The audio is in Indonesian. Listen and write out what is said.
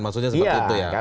maksudnya seperti itu ya